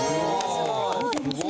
すごい。